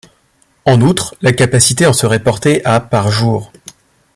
En outre, la capacité en serait portée à par jour.